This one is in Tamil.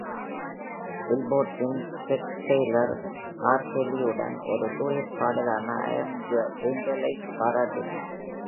"Billboard"-இன் Chuck Taylor , R. Kelly-உடன் ஒரு டூயட் பாடலான " I'm Your Angel "-ஐப் பாராட்டினார்.